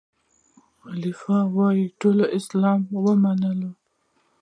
خلیفه وو ټول اسلام ته وو منلی